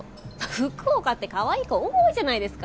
福岡ってかわいい子多いじゃないですか。